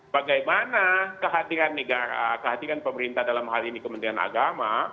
bagaimana kehadiran negara kehadiran pemerintah dalam hal ini kementerian agama